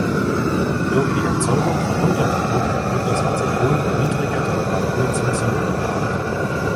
Durch die Erzeugung von Unterdruck wird das Azeton bei niedriger Temperatur zum Sieden gebracht.